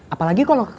apalagi kalau ke klinik